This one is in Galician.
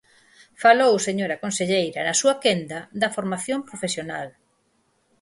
Falou, señora conselleira, na súa quenda, da formación profesional.